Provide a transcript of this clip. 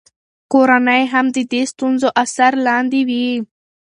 کورنۍ هم د دې ستونزو اثر لاندې وي.